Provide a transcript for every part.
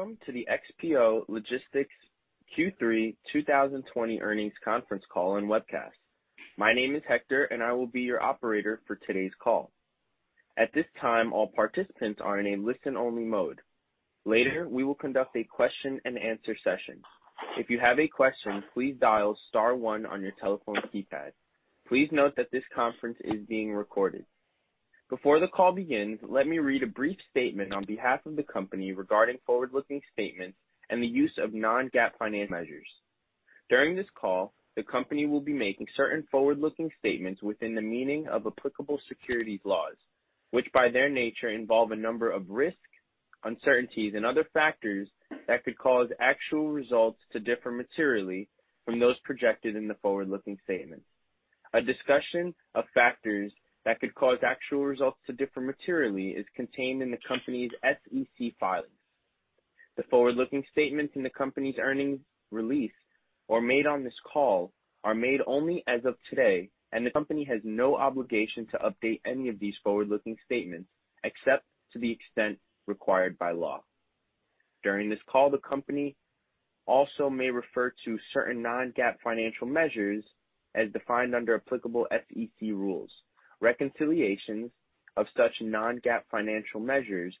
Welcome to the XPO Logistics Q3 2020 earnings conference call and webcast. My name is Hector, and I will be your operator for today's call. At this time, all participants are in a listen-only mode. Later, we will conduct a question and answer session. If you have a question, please dial star one on your telephone keypad. Please note that this conference is being recorded. Before the call begins, let me read a brief statement on behalf of the company regarding forward-looking statements and the use of non-GAAP financial measures. During this call, the company will be making certain forward-looking statements within the meaning of applicable securities laws, which by their nature, involve a number of risks, uncertainties, and other factors that could cause actual results to differ materially from those projected in the forward-looking statements. A discussion of factors that could cause actual results to differ materially is contained in the company's SEC filings. The forward-looking statements in the company's earnings release or made on this call are made only as of today, and the company has no obligation to update any of these forward-looking statements, except to the extent required by law. During this call, the company also may refer to certain non-GAAP financial measures as defined under applicable SEC rules. Reconciliations of such non-GAAP financial measures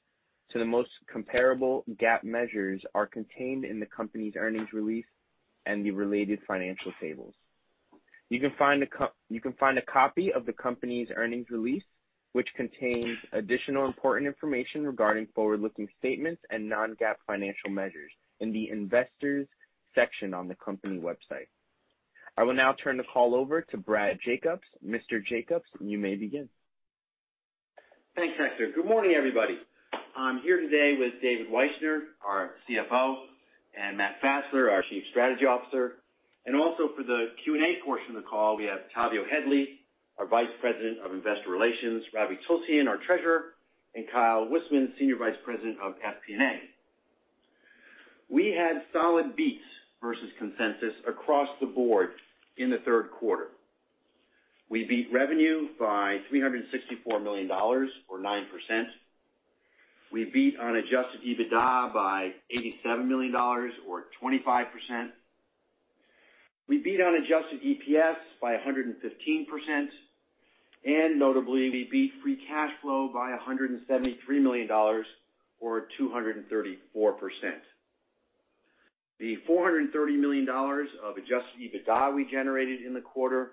to the most comparable GAAP measures are contained in the company's earnings release and the related financial tables. You can find a copy of the company's earnings release, which contains additional important information regarding forward-looking statements and non-GAAP financial measures, in the Investors section on the company website. I will now turn the call over to Brad Jacobs. Mr. Jacobs, you may begin. Thanks, Hector. Good morning, everybody. Also for the Q&A portion of the call, we have Tavio Headley, our Vice President of Investor Relations, Ravi Tulsyan, our Treasurer, and Kyle Witsaman, Senior Vice President of FP&A. I'm here today with David Wyshner, our CFO, and Matt Fassler, our Chief Strategy Officer. We had solid beats versus consensus across the board in the third quarter. We beat revenue by $364 million, or 9%. We beat on adjusted EBITDA by $87 million, or 25%. We beat on adjusted EPS by 115%, and notably, we beat free cash flow by $173 million, or 234%. The $430 million of adjusted EBITDA we generated in the quarter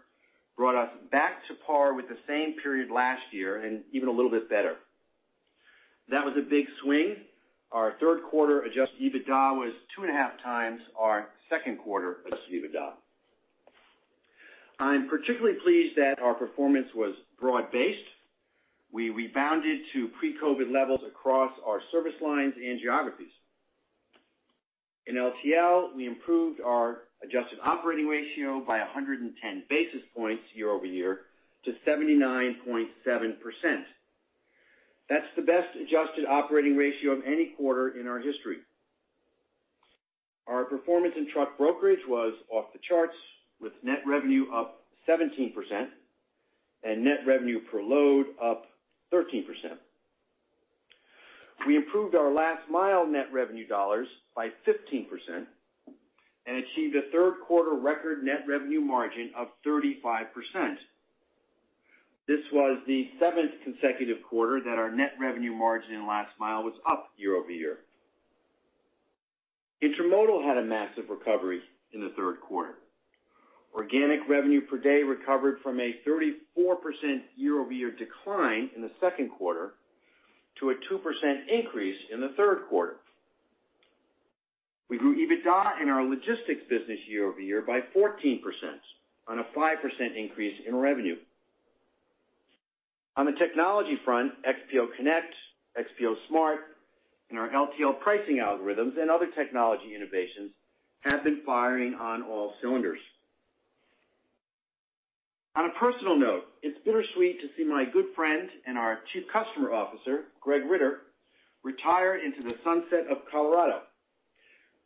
brought us back to par with the same period last year and even a little bit better. That was a big swing. Our third quarter adjusted EBITDA was two and a half times our second quarter adjusted EBITDA. I'm particularly pleased that our performance was broad-based. We rebounded to pre-COVID levels across our service lines and geographies. In LTL, we improved our adjusted operating ratio by 110 basis points year-over-year to 79.7%. That's the best adjusted operating ratio of any quarter in our history. Our performance in truck brokerage was off the charts, with net revenue up 17% and net revenue per load up 13%. We improved our last mile net revenue dollars by 15% and achieved a third quarter record net revenue margin of 35%. This was the seventh consecutive quarter that our net revenue margin in last mile was up year-over-year. Intermodal had a massive recovery in the third quarter. Organic revenue per day recovered from a 34% year-over-year decline in the second quarter to a 2% increase in the third quarter. We grew EBITDA in our logistics business year-over-year by 14% on a 5% increase in revenue. On the technology front, XPO Connect, XPO Smart, and our LTL pricing algorithms and other technology innovations have been firing on all cylinders. On a personal note, it's bittersweet to see my good friend and our Chief Customer Officer, Greg Ritter, retire into the sunset of Colorado.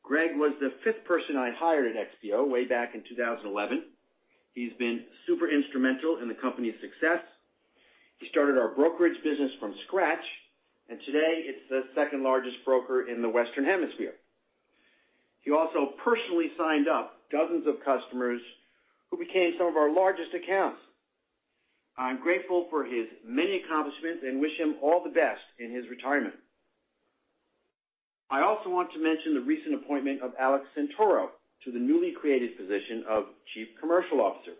Greg was the fifth person I hired at XPO way back in 2011. He's been super instrumental in the company's success. Today it's the second-largest broker in the Western Hemisphere. He also personally signed up dozens of customers who became some of our largest accounts. I'm grateful for his many accomplishments and wish him all the best in his retirement. I also want to mention the recent appointment of Alex Santoro to the newly created position of Chief Commercial Officer.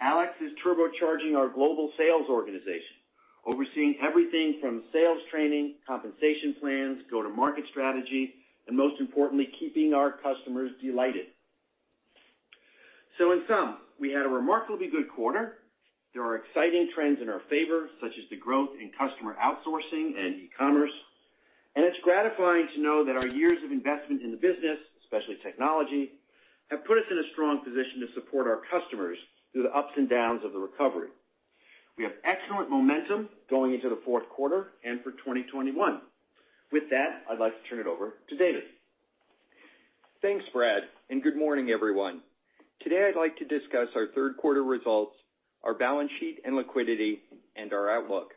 Alex is turbocharging our global sales organization, overseeing everything from sales training, compensation plans, go-to-market strategy, and most importantly, keeping our customers delighted. In sum, we had a remarkably good quarter. There are exciting trends in our favor, such as the growth in customer outsourcing and e-commerce. It's gratifying to know that our years of investment in the business, especially technology, have put us in a strong position to support our customers through the ups and downs of the recovery. We have excellent momentum going into the fourth quarter and for 2021. With that, I'd like to turn it over to David. Thanks, Brad. Good morning, everyone. Today, I'd like to discuss our third quarter results, our balance sheet and liquidity, and our outlook.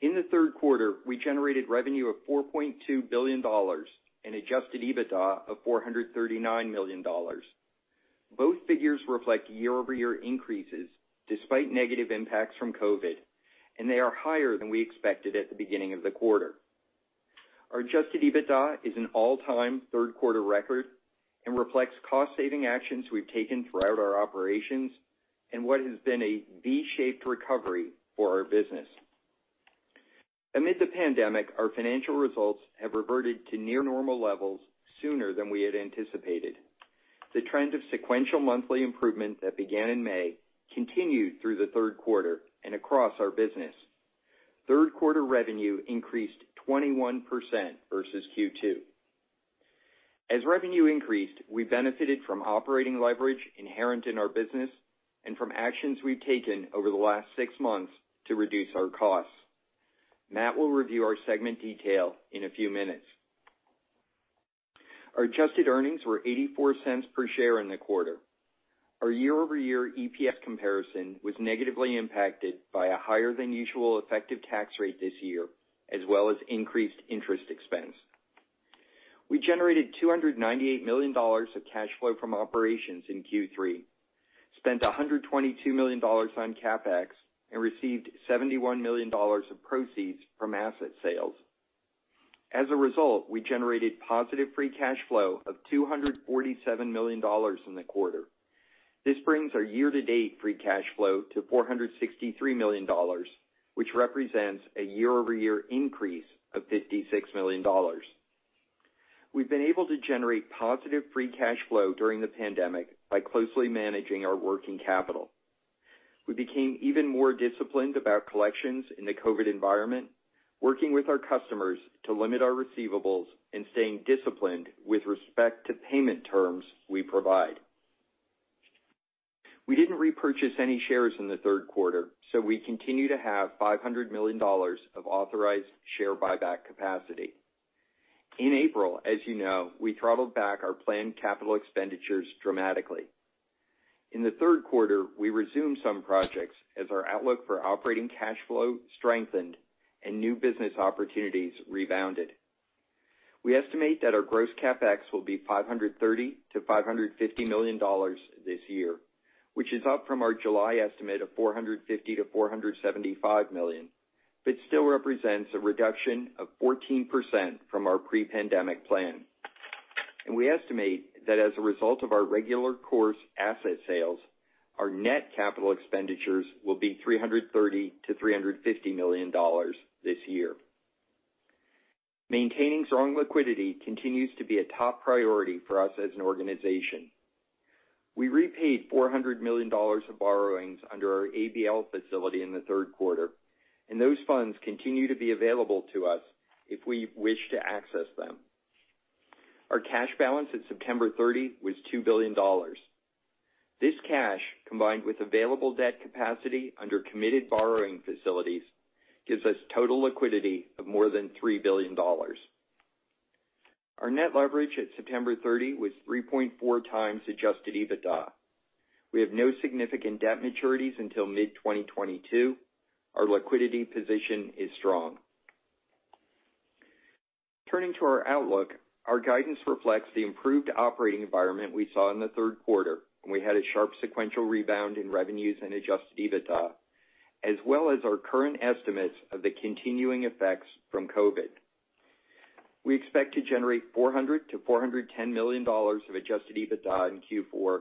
In the third quarter, we generated revenue of $4.2 billion and adjusted EBITDA of $439 million. Both figures reflect year-over-year increases despite negative impacts from COVID, and they are higher than we expected at the beginning of the quarter. Our adjusted EBITDA is an all-time third quarter record and reflects cost-saving actions we've taken throughout our operations and what has been a V-shaped recovery for our business. Amid the pandemic, our financial results have reverted to near normal levels sooner than we had anticipated. The trend of sequential monthly improvement that began in May continued through the third quarter and across our business. Third quarter revenue increased 21% versus Q2. As revenue increased, we benefited from operating leverage inherent in our business and from actions we've taken over the last six months to reduce our costs. Matt will review our segment detail in a few minutes. Our adjusted earnings were $0.84 per share in the quarter. Our year-over-year EPS comparison was negatively impacted by a higher than usual effective tax rate this year, as well as increased interest expense. We generated $298 million of cash flow from operations in Q3, spent $122 million on CapEx, and received $71 million of proceeds from asset sales. As a result, we generated positive free cash flow of $247 million in the quarter. This brings our year-to-date free cash flow to $463 million, which represents a year-over-year increase of $56 million. We've been able to generate positive free cash flow during the pandemic by closely managing our working capital. We became even more disciplined about collections in the COVID environment, working with our customers to limit our receivables and staying disciplined with respect to payment terms we provide. We didn't repurchase any shares in the third quarter, so we continue to have $500 million of authorized share buyback capacity. In April, as you know, we throttled back our planned capital expenditures dramatically. In the third quarter, we resumed some projects as our outlook for operating cash flow strengthened and new business opportunities rebounded. We estimate that our gross CapEx will be $530 million-$550 million this year, which is up from our July estimate of $450 million-$475 million, but still represents a reduction of 14% from our pre-pandemic plan. We estimate that as a result of our regular course asset sales, our net capital expenditures will be $330 million-$350 million this year. Maintaining strong liquidity continues to be a top priority for us as an organization. We repaid $400 million of borrowings under our ABL facility in the third quarter, and those funds continue to be available to us if we wish to access them. Our cash balance at September 30 was $2 billion. This cash, combined with available debt capacity under committed borrowing facilities, gives us total liquidity of more than $3 billion. Our net leverage at September 30 was 3.4 times adjusted EBITDA. We have no significant debt maturities until mid 2022. Our liquidity position is strong. Turning to our outlook, our guidance reflects the improved operating environment we saw in the third quarter, when we had a sharp sequential rebound in revenues and adjusted EBITDA, as well as our current estimates of the continuing effects from COVID. We expect to generate $400 million-$410 million of adjusted EBITDA in Q4,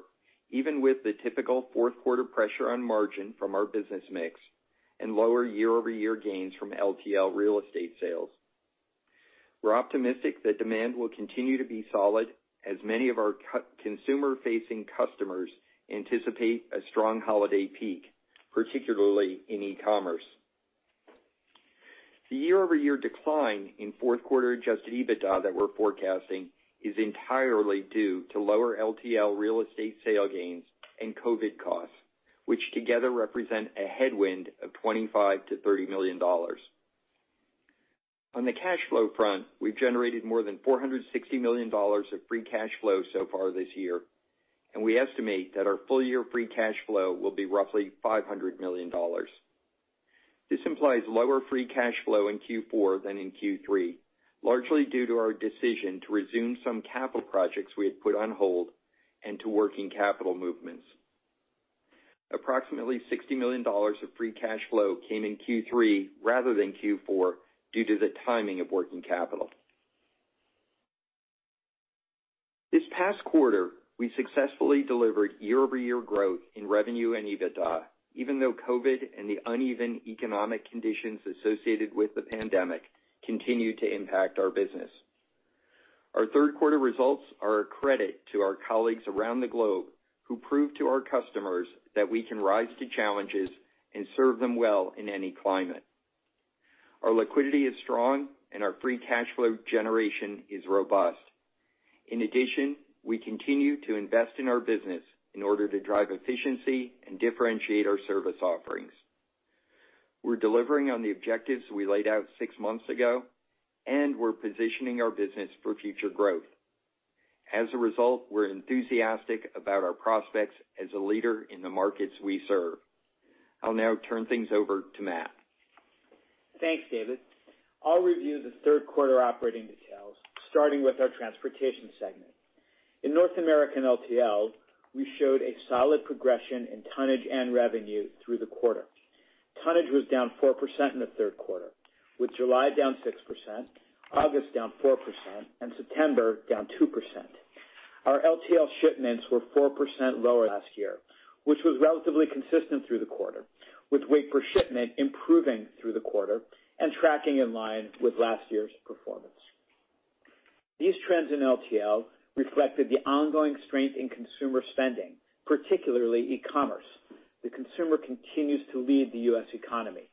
even with the typical fourth quarter pressure on margin from our business mix and lower year-over-year gains from LTL real estate sales. We're optimistic that demand will continue to be solid, as many of our consumer-facing customers anticipate a strong holiday peak, particularly in e-commerce. The year-over-year decline in fourth quarter adjusted EBITDA that we're forecasting is entirely due to lower LTL real estate sale gains and COVID costs, which together represent a headwind of $25 million-$30 million. On the cash flow front, we've generated more than $460 million of free cash flow so far this year, and we estimate that our full year free cash flow will be roughly $500 million. This implies lower free cash flow in Q4 than in Q3, largely due to our decision to resume some capital projects we had put on hold and to working capital movements. Approximately $60 million of free cash flow came in Q3 rather than Q4 due to the timing of working capital. This past quarter, we successfully delivered year-over-year growth in revenue and EBITDA, even though COVID and the uneven economic conditions associated with the pandemic continue to impact our business. Our third quarter results are a credit to our colleagues around the globe who prove to our customers that we can rise to challenges and serve them well in any climate. Our liquidity is strong, and our free cash flow generation is robust. In addition, we continue to invest in our business in order to drive efficiency and differentiate our service offerings. We're delivering on the objectives we laid out six months ago, and we're positioning our business for future growth. As a result, we're enthusiastic about our prospects as a leader in the markets we serve. I'll now turn things over to Matt. Thanks, David. I'll review the third quarter operating details, starting with our transportation segment. In North American LTL, we showed a solid progression in tonnage and revenue through the quarter. Tonnage was down 4% in the third quarter, with July down 6%, August down 4%, and September down 2%. Our LTL shipments were 4% lower last year, which was relatively consistent through the quarter, with weight per shipment improving through the quarter and tracking in line with last year's performance. These trends in LTL reflected the ongoing strength in consumer spending, particularly e-commerce. The consumer continues to lead the U.S. economy.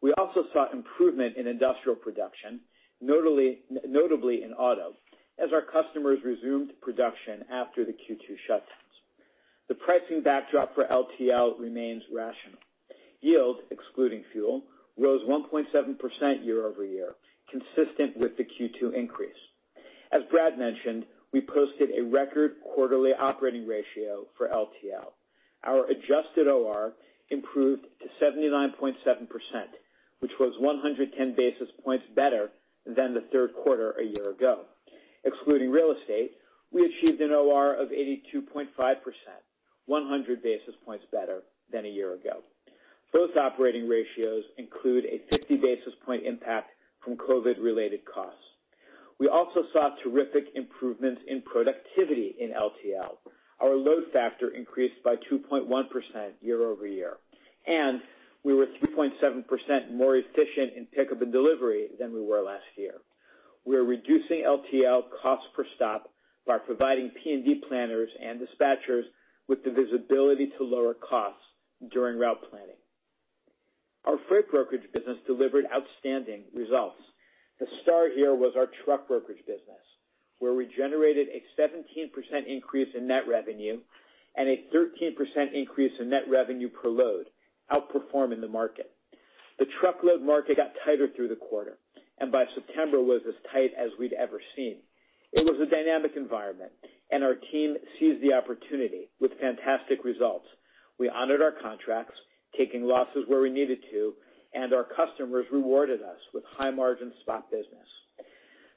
We also saw improvement in industrial production, notably in auto, as our customers resumed production after the Q2 shutdowns. The pricing backdrop for LTL remains rational. Yield, excluding fuel, rose 1.7% year-over-year, consistent with the Q2 increase. As Brad mentioned, we posted a record quarterly operating ratio for LTL. Our adjusted OR improved to 79.7%, which was 110 basis points better than the third quarter a year ago. Excluding real estate, we achieved an OR of 82.5%, 100 basis points better than a year ago. Both operating ratios include a 50-basis point impact from COVID-related costs. We also saw terrific improvements in productivity in LTL. Our load factor increased by 2.1% year-over-year, and we were 3.7% more efficient in pickup and delivery than we were last year. We are reducing LTL cost per stop by providing P&D planners and dispatchers with the visibility to lower costs during route planning. Our freight brokerage business delivered outstanding results. The star here was our truck brokerage business, where we generated a 17% increase in net revenue and a 13% increase in net revenue per load, outperforming the market. The truckload market got tighter through the quarter, and by September was as tight as we'd ever seen. It was a dynamic environment, and our team seized the opportunity with fantastic results. We honored our contracts, taking losses where we needed to, and our customers rewarded us with high-margin spot business.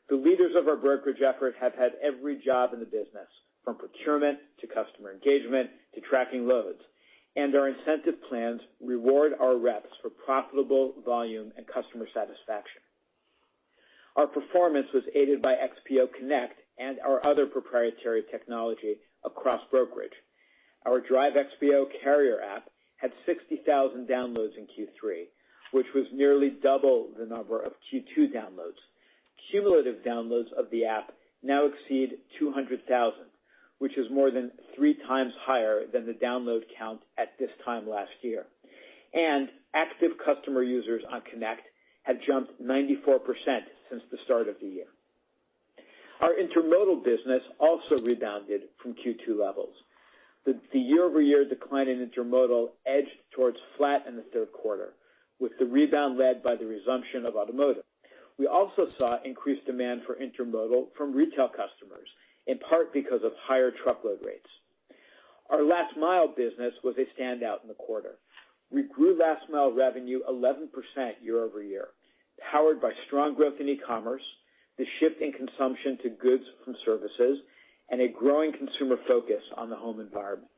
The leaders of our brokerage effort have had every job in the business, from procurement to customer engagement to tracking loads, and our incentive plans reward our reps for profitable volume and customer satisfaction. Our performance was aided by XPO Connect and our other proprietary technology across brokerage. Our Drive XPO carrier app had 60,000 downloads in Q3, which was nearly double the number of Q2 downloads. Cumulative downloads of the app now exceed 200,000, which is more than three times higher than the download count at this time last year. Active customer users on Connect have jumped 94% since the start of the year. Our intermodal business also rebounded from Q2 levels. The year-over-year decline in intermodal edged towards flat in the third quarter, with the rebound led by the resumption of automotive. We also saw increased demand for intermodal from retail customers, in part because of higher truckload rates. Our last-mile business was a standout in the quarter. We grew last-mile revenue 11% year-over-year, powered by strong growth in e-commerce, the shift in consumption to goods from services, and a growing consumer focus on the home environment.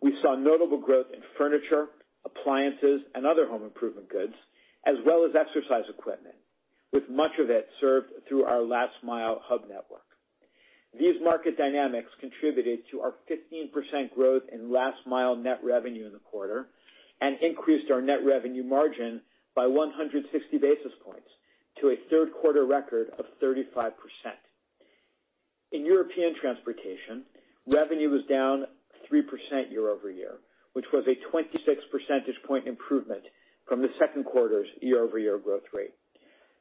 We saw notable growth in furniture, appliances, and other home improvement goods, as well as exercise equipment, with much of it served through our last-mile hub network. These market dynamics contributed to our 15% growth in last-mile net revenue in the quarter and increased our net revenue margin by 160 basis points to a third-quarter record of 35%. In European transportation, revenue was down 3% year-over-year, which was a 26 percentage point improvement from the second quarter's year-over-year growth rate.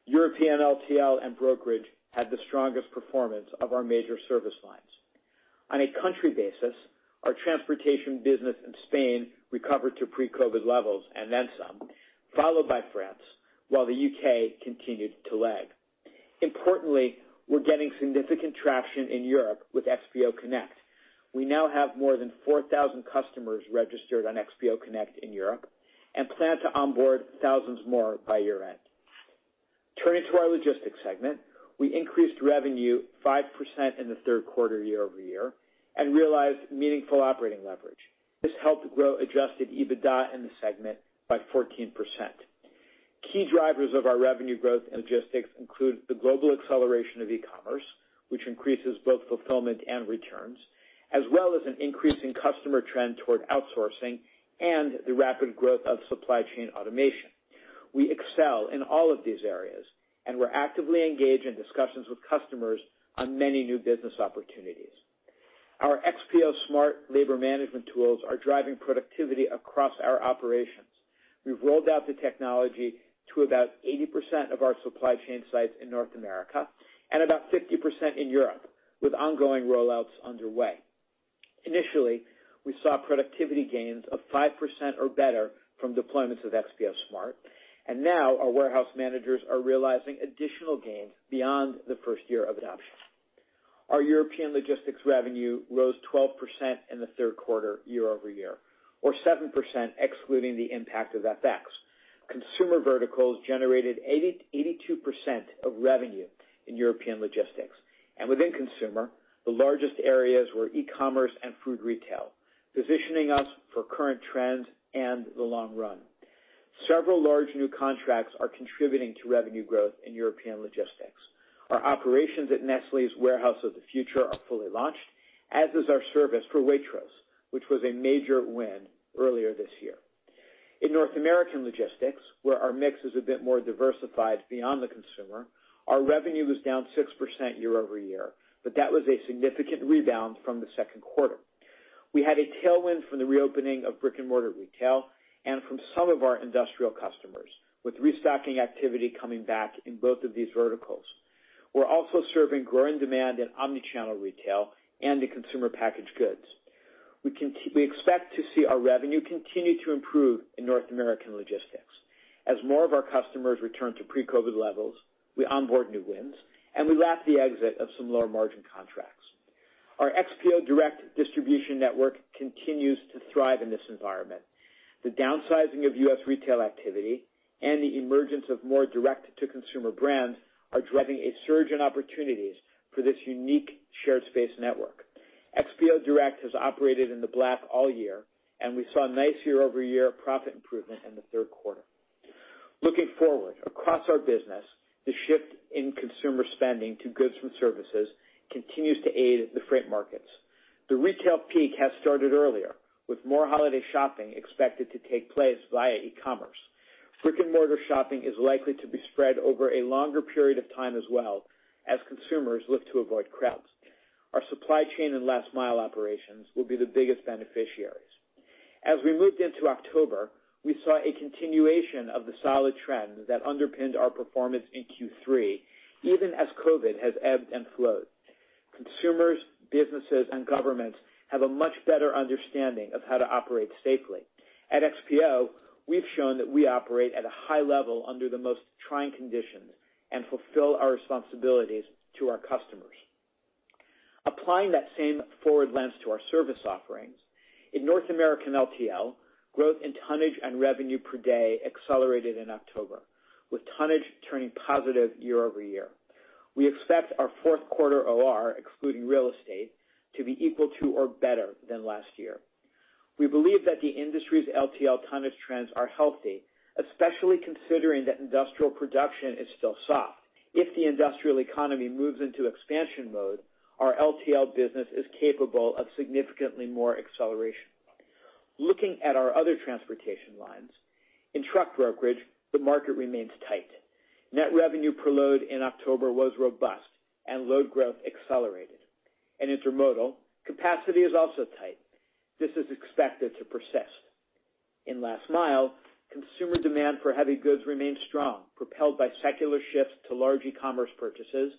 European LTL and brokerage had the strongest performance of our major service lines. On a country basis, our transportation business in Spain recovered to pre-COVID levels and then some, followed by France while the U.K. continued to lag. Importantly, we're getting significant traction in Europe with XPO Connect. We now have more than 4,000 customers registered on XPO Connect in Europe and plan to onboard thousands more by year-end. Turning to our logistics segment, we increased revenue 5% in the third quarter year-over-year and realized meaningful operating leverage. This helped grow adjusted EBITDA in the segment by 14%. Key drivers of our revenue growth in logistics include the global acceleration of e-commerce, which increases both fulfillment and returns, as well as an increase in customer trend toward outsourcing and the rapid growth of supply chain automation. We excel in all of these areas, and we're actively engaged in discussions with customers on many new business opportunities. Our XPO Smart labor productivity are driving productivity across our operations. We've rolled out the technology to about 80% of our supply chain sites in North America and about 50% in Europe, with ongoing rollouts underway. Initially, we saw productivity gains of 5% or better from deployments of XPO Smart, and now our warehouse managers are realizing additional gains beyond the first year of adoption. Our European logistics revenue rose 12% in the third quarter year-over-year, or 7% excluding the impact of FX. Consumer verticals generated 82% of revenue in European logistics. Within consumer, the largest areas were e-commerce and food retail, positioning us for current trends and the long run. Several large new contracts are contributing to revenue growth in European logistics. Our operations at Nestlé's Warehouse of the Future are fully launched, as is our service for Waitrose, which was a major win earlier this year. In North American logistics, where our mix is a bit more diversified beyond the consumer, our revenue was down 6% year-over-year, but that was a significant rebound from the second quarter. We had a tailwind from the reopening of brick-and-mortar retail and from some of our industrial customers, with restocking activity coming back in both of these verticals. We're also serving growing demand in omni-channel retail and in consumer packaged goods. We expect to see our revenue continue to improve in North American logistics. As more of our customers return to pre-COVID levels, we onboard new wins and we lap the exit of some lower margin contracts. Our XPO Direct distribution network continues to thrive in this environment. The downsizing of U.S. retail activity and the emergence of more direct-to-consumer brands are driving a surge in opportunities for this unique shared space network. XPO Direct has operated in the black all year, and we saw a nice year-over-year profit improvement in the third quarter. Looking forward, across our business, the shift in consumer spending to goods and services continues to aid the freight markets. The retail peak has started earlier, with more holiday shopping expected to take place via e-commerce. Brick-and-mortar shopping is likely to be spread over a longer period of time as well, as consumers look to avoid crowds. Our supply chain and last mile operations will be the biggest beneficiaries. As we moved into October, we saw a continuation of the solid trends that underpinned our performance in Q3, even as COVID has ebbed and flowed. Consumers, businesses, and governments have a much better understanding of how to operate safely. At XPO, we've shown that we operate at a high level under the most trying conditions and fulfill our responsibilities to our customers. Applying that same forward lens to our service offerings, in North American LTL, growth in tonnage and revenue per day accelerated in October, with tonnage turning positive year-over-year. We expect our fourth quarter OR, excluding real estate, to be equal to or better than last year. We believe that the industry's LTL tonnage trends are healthy, especially considering that industrial production is still soft. If the industrial economy moves into expansion mode, our LTL business is capable of significantly more acceleration. Looking at our other transportation lines, in truck brokerage, the market remains tight. Net revenue per load in October was robust and load growth accelerated. Intermodal capacity is also tight. This is expected to persist. In last mile, consumer demand for heavy goods remains strong, propelled by secular shifts to large e-commerce purchases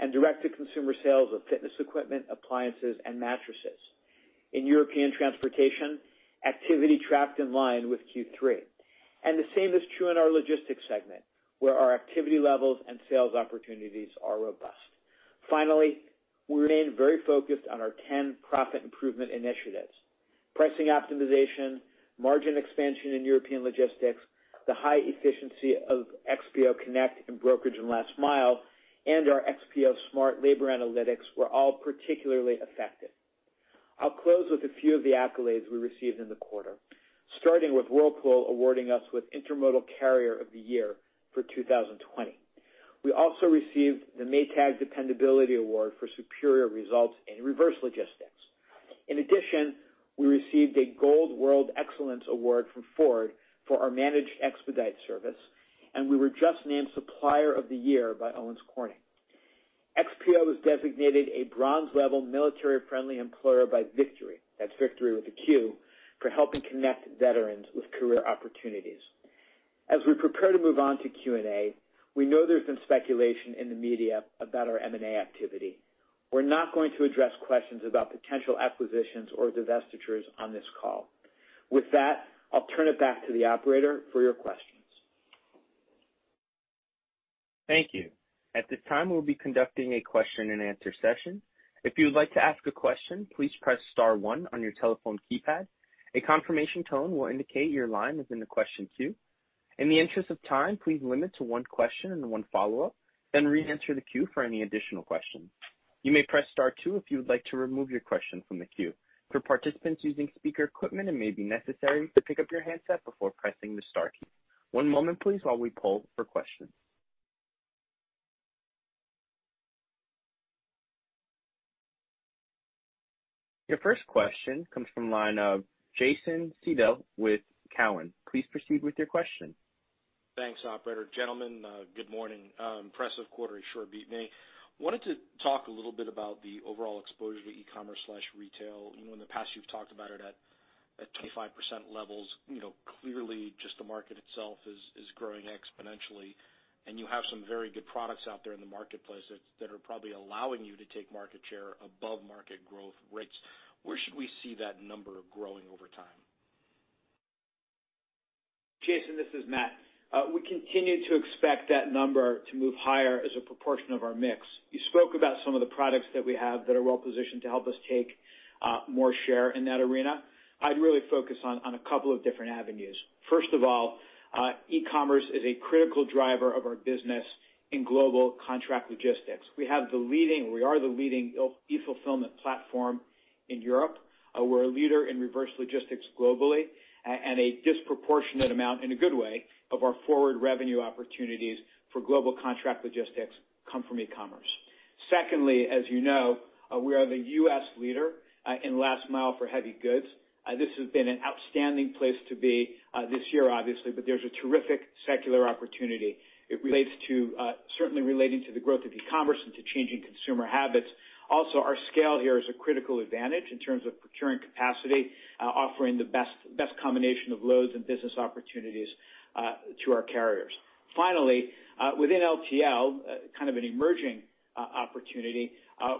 and direct-to-consumer sales of fitness equipment, appliances, and mattresses. In European transportation, activity tracked in line with Q3. The same is true in our logistics segment, where our activity levels and sales opportunities are robust. Finally, we remain very focused on the 10 Profit Improvement Initiatives. Pricing optimization, margin expansion in European logistics, the high efficiency of XPO Connect in brokerage and last mile, and our XPO Smart labor analytics were all particularly effective. I'll close with a few of the accolades we received in the quarter, starting with Whirlpool awarding us with Intermodal Carrier of the Year for 2020. We also received the Maytag Dependability Award for superior results in reverse logistics. In addition, we received a Gold World Excellence Award from Ford for our managed expedite service, and we were just named Supplier of the Year by Owens Corning. XPO was designated a bronze-level military-friendly employer by Viqtory for helping connect veterans with career opportunities. As we prepare to move on to Q&A, we know there's been speculation in the media about our M&A activity. We're not going to address questions about potential acquisitions or divestitures on this call. With that, I'll turn it back to the operator for your questions. Thank you. At this time, we'll be conducting a question and answer session. If you would like to ask a question, please press star one on your telephone keypad. A confirmation tone will indicate your line is in the question queue. In the interest of time, please limit to one question and one follow-up, then reenter the queue for any additional questions. You may press star two if you would like to remove your question from the queue. For participants using speaker equipment, it may be necessary to pick up your handset before pressing the star key. One moment please while we poll for questions. Your first question comes from the line of Jason Seidl with Cowen. Please proceed with your question. Thanks, operator. Gentlemen, good morning. Impressive quarter. You sure beat me. I wanted to talk a little bit about the overall exposure to e-commerce/retail. In the past, you've talked about it at 25% levels. Clearly, just the market itself is growing exponentially, and you have some very good products out there in the marketplace that are probably allowing you to take market share above market growth rates. Where should we see that number growing over time? Jason, this is Matt. We continue to expect that number to move higher as a proportion of our mix. You spoke about some of the products that we have that are well positioned to help us take more share in that arena. I'd really focus on a couple of different avenues. First of all, e-commerce is a critical driver of our business in global contract logistics. We have the leading, and we are the leading e-fulfillment platform in Europe. We're a leader in reverse logistics globally, and a disproportionate amount, in a good way, of our forward revenue opportunities for global contract logistics come from e-commerce. Secondly, as you know, we are the U.S. leader in last mile for heavy goods. This has been an outstanding place to be, this year, obviously, but there's a terrific secular opportunity. It relates to, certainly relating to the growth of e-commerce and to changing consumer habits. Our scale here is a critical advantage in terms of procuring capacity, offering the best combination of loads and business opportunities to our carriers. Within LTL, kind of an emerging opportunity,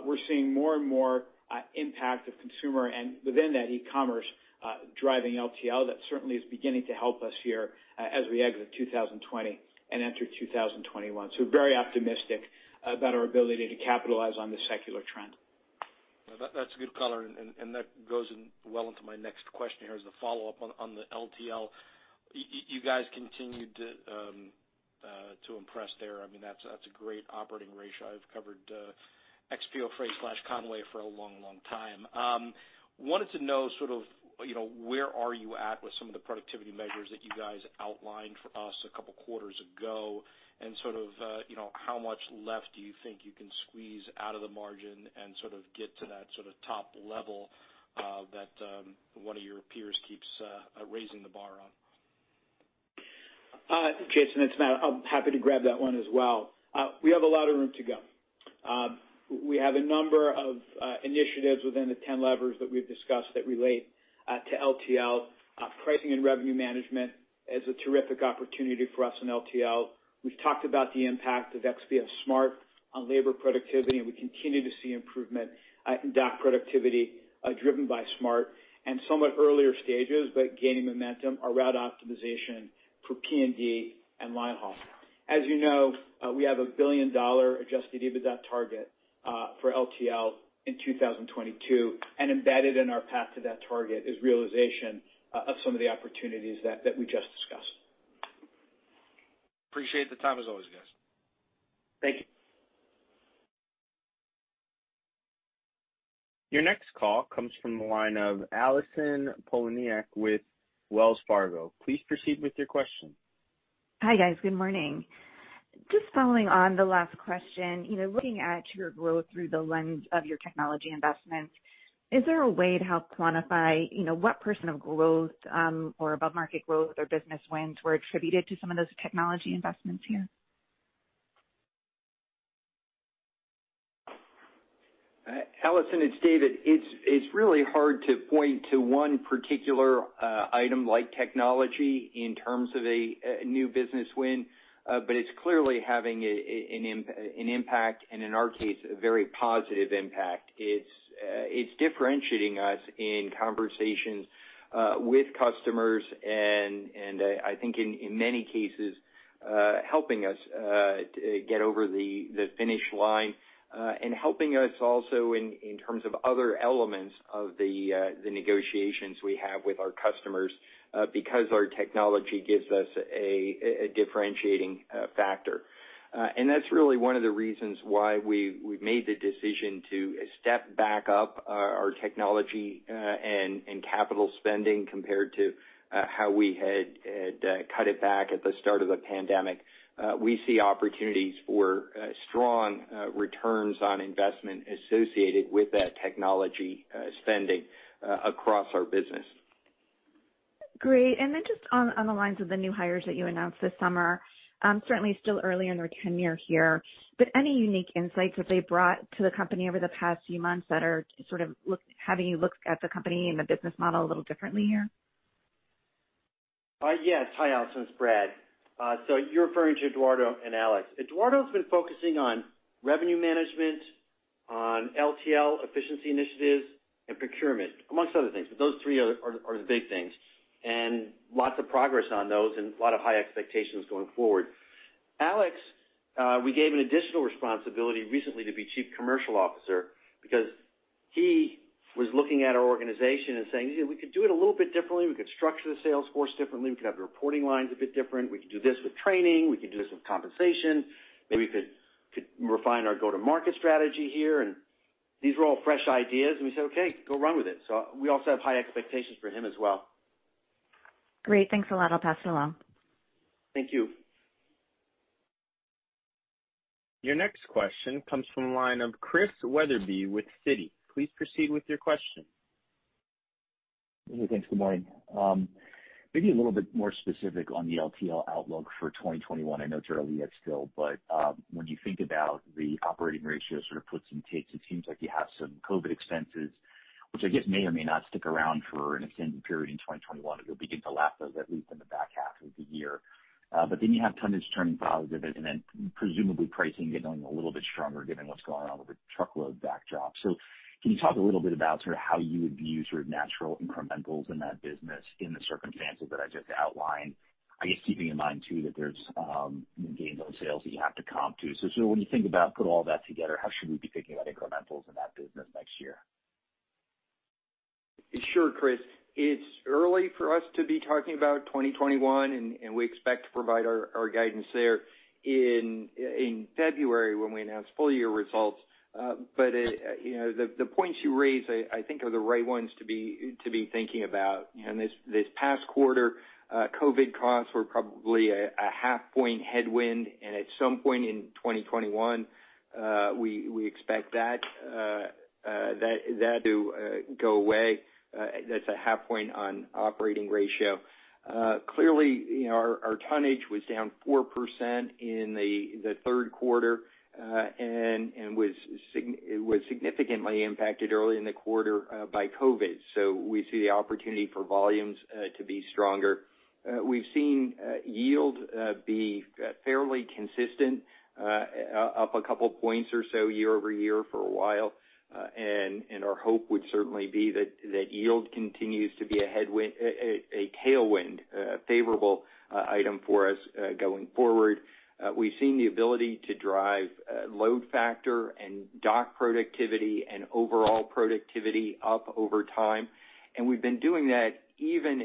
we're seeing more and more impact of consumer, and within that, e-commerce, driving LTL. That certainly is beginning to help us here as we exit 2020 and enter 2021. We're very optimistic about our ability to capitalize on this secular trend. That's a good color. That goes well into my next question here as a follow-up on the LTL. You guys continued to impress there. That's a great operating ratio. I've covered XPO Freight/Con-way for a long, long time. I wanted to know where are you at with some of the productivity measures that you guys outlined for us a couple quarters ago, and how much left do you think you can squeeze out of the margin and get to that top level that one of your peers keeps raising the bar on? Jason, it's Matt. I'm happy to grab that one as well. We have a lot of room to go. We have a number of initiatives within the 10 levers that we've discussed that relate to LTL. Pricing and revenue management is a terrific opportunity for us in LTL. We've talked about the impact of XPO Smart on labor productivity, and we continue to see improvement in dock productivity, driven by Smart. Somewhat earlier stages, but gaining momentum, are route optimization for P&D and line haul. As you know, we have a billion-dollar adjusted EBITDA target for LTL in 2022, and embedded in our path to that target is realization of some of the opportunities that we just discussed. Appreciate the time as always, guys. Thank you. Your next call comes from the line of Allison Poliniak with Wells Fargo. Please proceed with your question. Hi, guys. Good morning. Just following on the last question. Looking at your growth through the lens of your technology investments, is there a way to help quantify what percent of growth, or above-market growth or business wins were attributed to some of those technology investments here? Allison, it's David. It's really hard to point to one particular item like technology in terms of a new business win. It's clearly having an impact, and in our case, a very positive impact. It's differentiating us in conversations with customers, and I think in many cases, helping us get over the finish line. Helping us also in terms of other elements of the negotiations we have with our customers, because our technology gives us a differentiating factor. That's really one of the reasons why we made the decision to step back up our technology and capital spending compared to how we had cut it back at the start of the pandemic. We see opportunities for strong returns on investment associated with that technology spending across our business. Great. Just on the lines of the new hires that you announced this summer, certainly still early in their tenure here, any unique insights that they brought to the company over the past few months that are having you look at the company and the business model a little differently here? Yes. Hi, Allison, it's Brad. You're referring to Eduardo and Alex. Eduardo's been focusing on revenue management, on LTL efficiency initiatives, and procurement, amongst other things. Those three are the big things. Lots of progress on those, and a lot of high expectations going forward. Alex, we gave an additional responsibility recently to be Chief Commercial Officer because he was looking at our organization and saying, "We could do it a little bit differently. We could structure the sales force differently. We could have the reporting lines a bit different. We could do this with training. We could do this with compensation. Maybe we could refine our go-to-market strategy here." These were all fresh ideas, and we said, "Okay, go run with it." We also have high expectations for him as well. Great. Thanks a lot. I'll pass it along. Thank you. Your next question comes from the line of Chris Wetherbee with Citi. Please proceed with your question. Thanks. Good morning. Maybe a little bit more specific on the LTL outlook for 2021. I know it's early yet still, but when you think about the operating ratio sort of puts and takes, it seems like you have some COVID expenses, which I guess may or may not stick around for an extended period in 2021, or you'll begin to lap those, at least in the back half of the year. Then you have tonnage turning positive, and then presumably pricing getting a little bit stronger given what's going on with the truckload backdrop. Can you talk a little bit about how you would view natural incrementals in that business in the circumstances that I just outlined? I guess keeping in mind too, that there's gains on sales that you have to comp too. When you think about put all that together, how should we be thinking about incrementals in that business next year? Sure, Chris. It's early for us to be talking about 2021, and we expect to provide our guidance there in February when we announce full-year results. The points you raise, I think are the right ones to be thinking about. This past quarter, COVID costs were probably a half point headwind, and at some point in 2021, we expect that to go away. That's a half point on operating ratio. Clearly, our tonnage was down 4% in the third quarter, and was significantly impacted early in the quarter by COVID. We see the opportunity for volumes to be stronger. We've seen yield be fairly consistent, up a couple points or so year-over-year for a while. Our hope would certainly be that yield continues to be a tailwind, a favorable item for us going forward. We've seen the ability to drive load factor and dock productivity and overall productivity up over time. We've been doing that even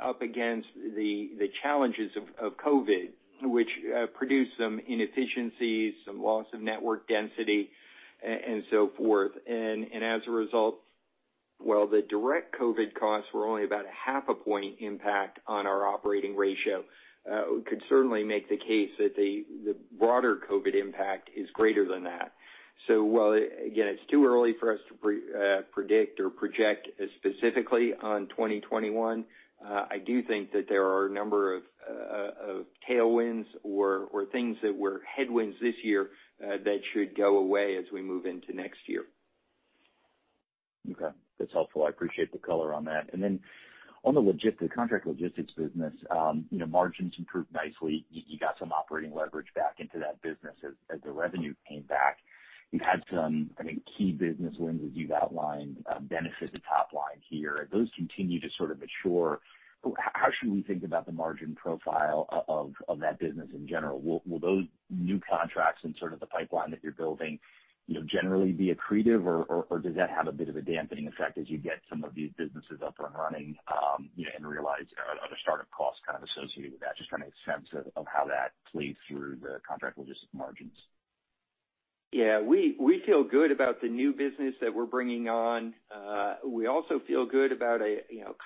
up against the challenges of COVID, which produced some inefficiencies, some loss of network density, and so forth. As a result, while the direct COVID costs were only about a half a point impact on our operating ratio, we could certainly make the case that the broader COVID impact is greater than that. While, again, it's too early for us to predict or project specifically on 2021, I do think that there are a number of tailwinds or things that were headwinds this year that should go away as we move into next year. Okay. That's helpful. I appreciate the color on that. On the contract logistics business, margins improved nicely. You got some operating leverage back into that business as the revenue came back. You've had some, I think key business wins that you've outlined benefit the top line here. As those continue to sort of mature, how should we think about the margin profile of that business in general? Will those new contracts and sort of the pipeline that you're building, generally be accretive or does that have a bit of a dampening effect as you get some of these businesses up and running, and realize other startup costs kind of associated with that? Just trying to make sense of how that plays through the contract logistics margins. We feel good about the new business that we're bringing on. We also feel good about a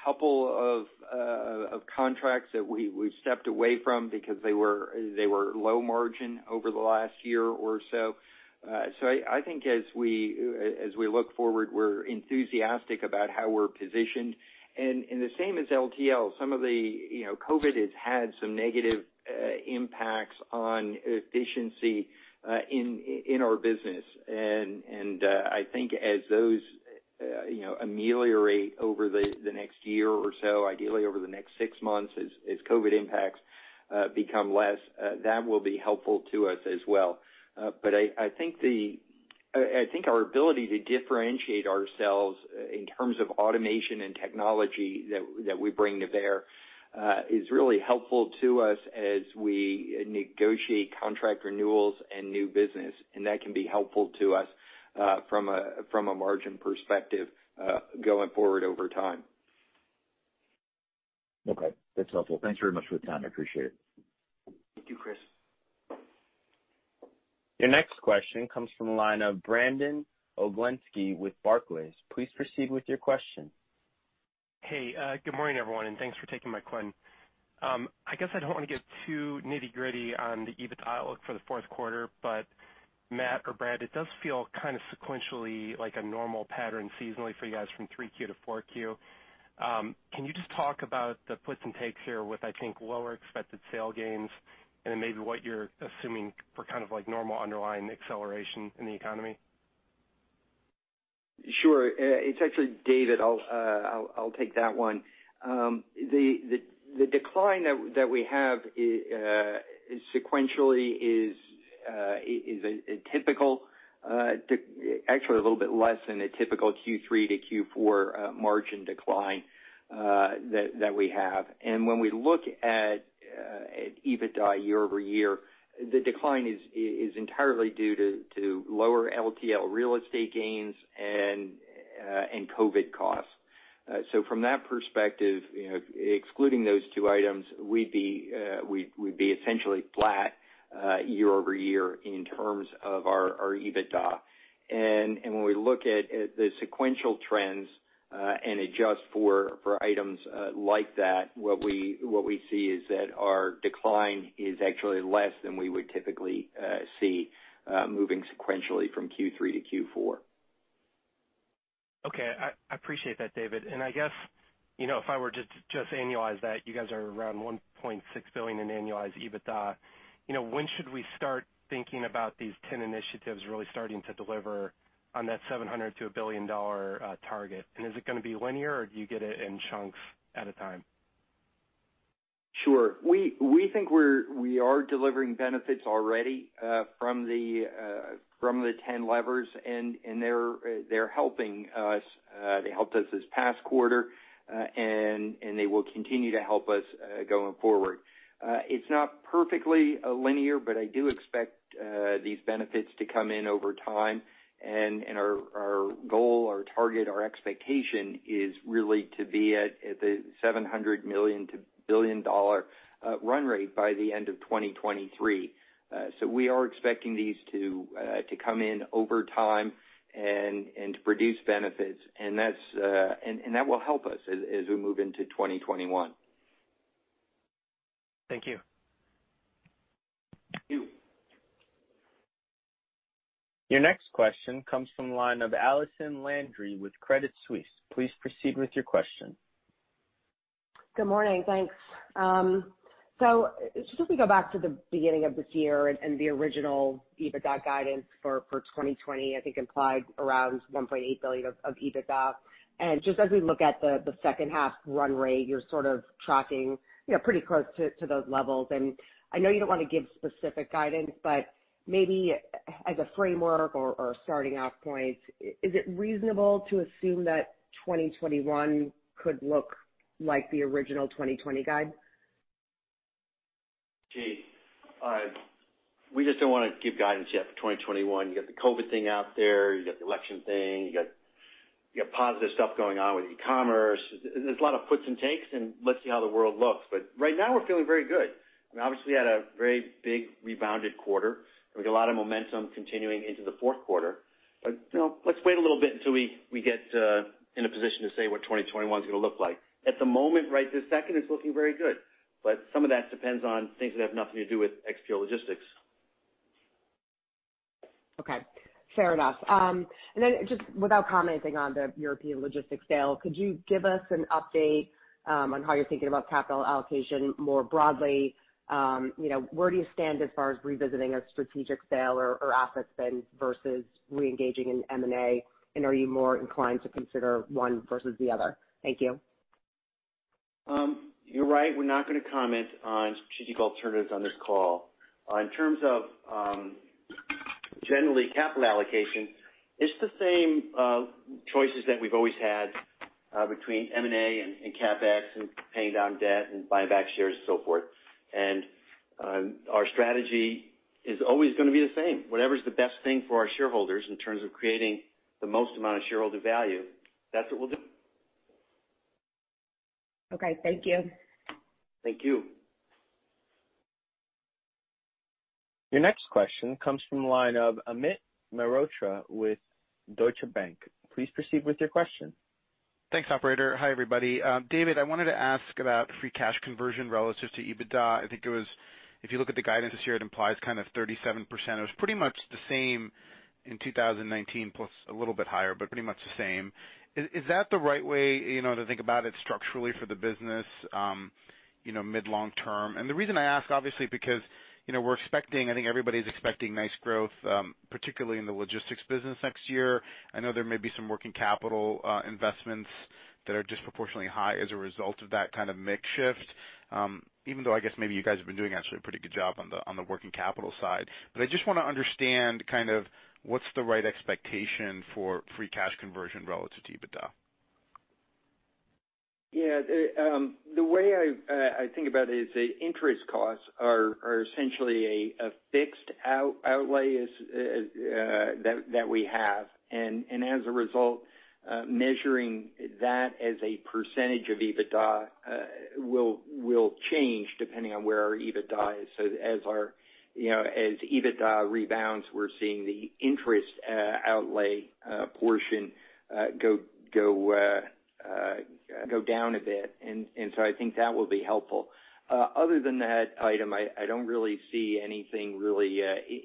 couple of contracts that we stepped away from because they were low margin over the last year or so. I think as we look forward, we're enthusiastic about how we're positioned. The same as LTL, COVID has had some negative impacts on efficiency in our business. I think as those ameliorate over the next year or so, ideally over the next six months as COVID impacts become less, that will be helpful to us as well. I think our ability to differentiate ourselves in terms of automation and technology that we bring to bear, is really helpful to us as we negotiate contract renewals and new business. That can be helpful to us, from a margin perspective, going forward over time. Okay. That's helpful. Thanks very much for the time. I appreciate it. Thank you, Chris. Your next question comes from the line of Brandon Oglenski with Barclays. Please proceed with your question. Good morning everyone, thanks for taking my query. I guess I don't want to get too nitty-gritty on the EBITDA outlook for the fourth quarter, Matt or Brad, it does feel kind of sequentially like a normal pattern seasonally for you guys from 3Q to 4Q. Can you just talk about the puts and takes here with, I think, lower expected sale gains then maybe what you're assuming for kind of like normal underlying acceleration in the economy? Sure. It's actually David. I'll take that one. The decline that we have sequentially is actually a little bit less than a typical Q3 to Q4 margin decline that we have. When we look at EBITDA year-over-year, the decline is entirely due to lower LTL real estate gains and COVID costs. From that perspective, excluding those two items, we'd be essentially flat year-over-year in terms of our EBITDA. When we look at the sequential trends, and adjust for items like that, what we see is that our decline is actually less than we would typically see moving sequentially from Q3 to Q4. Okay. I appreciate that, David. I guess, if I were to just annualize that, you guys are around $1.6 billion in annualized EBITDA. When should we start thinking about these 10 initiatives really starting to deliver on that $700 million to $1 billion target? Is it going to be linear, or do you get it in chunks at a time? Sure. We think we are delivering benefits already from the 10 levers, and they're helping us. They helped us this past quarter, and they will continue to help us going forward. It's not perfectly linear, but I do expect these benefits to come in over time, and our goal, our target, our expectation is really to be at the $700 million to $1 billion run rate by the end of 2023. We are expecting these to come in over time and to produce benefits. That will help us as we move into 2021. Thank you. Thank you. Your next question comes from the line of Allison Landry with Credit Suisse. Please proceed with your question. Good morning. Thanks. Just as we go back to the beginning of this year and the original EBITDA guidance for 2020, I think implied around $1.8 billion of EBITDA. Just as we look at the second half run rate, you're sort of tracking pretty close to those levels. I know you don't want to give specific guidance, but maybe as a framework or a starting off point, is it reasonable to assume that 2021 could look like the original 2020 guide? Gee. We just don't want to give guidance yet for 2021. You got the COVID thing out there, you got the election thing, you got positive stuff going on with e-commerce. There's a lot of puts and takes, let's see how the world looks. Right now, we're feeling very good. I mean, obviously, we had a very big rebounded quarter. We got a lot of momentum continuing into the fourth quarter. Let's wait a little bit until we get in a position to say what 2021's going to look like. At the moment, right this second, it's looking very good. Some of that depends on things that have nothing to do with XPO Logistics. Okay. Fair enough. Without commenting on the European Logistics sale, could you give us an update on how you're thinking about capital allocation more broadly? Where do you stand as far as revisiting a strategic sale or asset spend versus reengaging in M&A? Are you more inclined to consider one versus the other? Thank you. You're right. We're not going to comment on strategic alternatives on this call. In terms of generally capital allocation, it's the same choices that we've always had between M&A and CapEx and paying down debt and buying back shares and so forth. Our strategy is always going to be the same. Whatever's the best thing for our shareholders in terms of creating the most amount of shareholder value, that's what we'll do. Okay. Thank you. Thank you. Your next question comes from the line of Amit Mehrotra with Deutsche Bank. Please proceed with your question. Thanks, operator. Hi, everybody. David, I wanted to ask about free cash conversion relative to EBITDA. I think it was, if you look at the guidance this year, it implies kind of 37%. It was pretty much the same in 2019, plus a little bit higher, but pretty much the same. Is that the right way to think about it structurally for the business mid long term? The reason I ask, obviously, because we're expecting, I think everybody's expecting nice growth, particularly in the logistics business next year. I know there may be some working capital investments that are disproportionately high as a result of that kind of mix shift. Even though, I guess maybe you guys have been doing actually a pretty good job on the working capital side. I just want to understand kind of what's the right expectation for free cash conversion relative to EBITDA. Yeah. The way I think about it is that interest costs are essentially a fixed outlay that we have. As a result, measuring that as a percentage of EBITDA will change depending on where our EBITDA is. As EBITDA rebounds, we're seeing the interest outlay portion go down a bit. I think that will be helpful. Other than that item, I don't really see anything really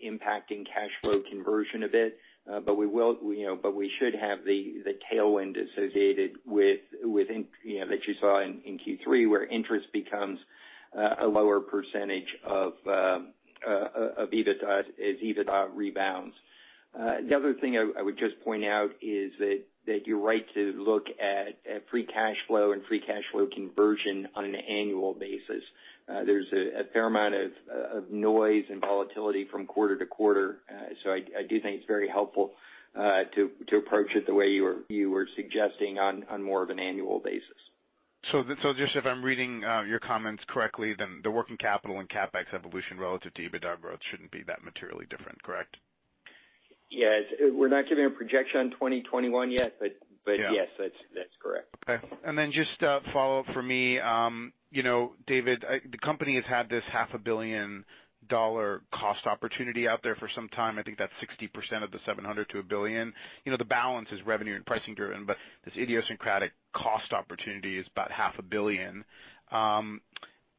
impacting cash flow conversion a bit. We should have the tailwind associated that you saw in Q3, where interest becomes a lower percentage of EBITDA as EBITDA rebounds. The other thing I would just point out is that you're right to look at free cash flow and free cash flow conversion on an annual basis. There's a fair amount of noise and volatility from quarter to quarter. I do think it's very helpful to approach it the way you were suggesting on more of an annual basis. Just if I'm reading your comments correctly, then the working capital and CapEx evolution relative to EBITDA growth shouldn't be that materially different, correct? Yes. We're not giving a projection on 2021 yet. Yeah. That's correct. Okay. Just a follow-up for me. David, the company has had this $0.5 billion cost opportunity out there for some time. I think that's 60% of the $700 million to $1 billion. The balance is revenue and pricing driven. This idiosyncratic cost opportunity is about $0.5 billion.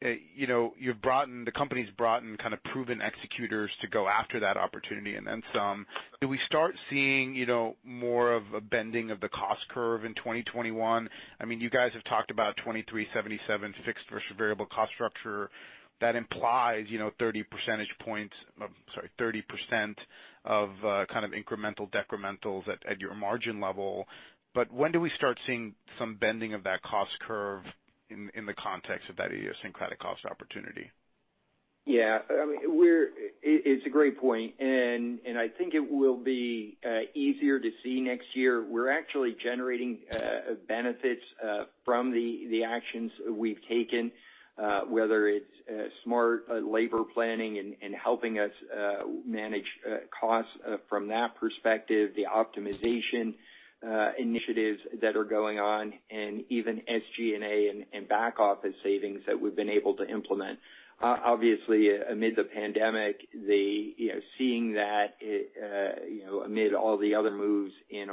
The company's brought in kind of proven executors to go after that opportunity and then some. Do we start seeing more of a bending of the cost curve in 2021? You guys have talked about 23/77 fixed versus variable cost structure. That implies 30 percentage points, sorry, 30% of kind of incremental decrementals at your margin level. When do we start seeing some bending of that cost curve in the context of that idiosyncratic cost opportunity? It's a great point, and I think it will be easier to see next year. We're actually generating benefits from the actions we've taken, whether it's smart labor planning and helping us manage costs from that perspective, the optimization initiatives that are going on, and even SG&A and back office savings that we've been able to implement. Obviously, amid the pandemic, seeing that amid all the other moves in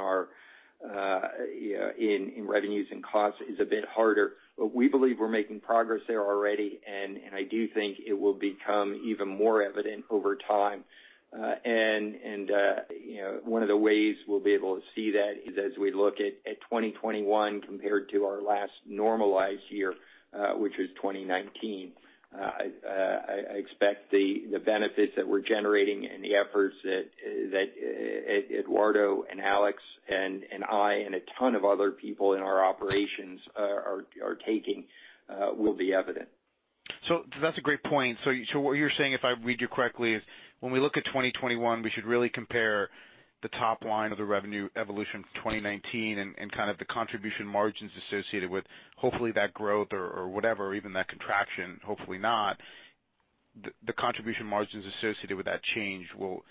revenues and costs is a bit harder. We believe we're making progress there already, and I do think it will become even more evident over time. One of the ways we'll be able to see that is as we look at 2021 compared to our last normalized year, which was 2019. I expect the benefits that we're generating and the efforts that Eduardo and Alex and I and a ton of other people in our operations are taking will be evident. That's a great point. What you're saying, if I read you correctly, is when we look at 2021, we should really compare the top line of the revenue evolution from 2019 and kind of the contribution margins associated with, hopefully, that growth or whatever, even that contraction, hopefully not. The contribution margins associated with that change will